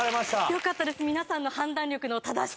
よかったです。